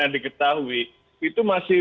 diketahui itu masih